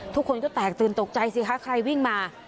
ทุกคนก็แตกตื่นตกใจสิคะใครวิ่งมา